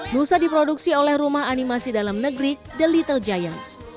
nusa diproduksi oleh rumah animasi dalam negeri the little giants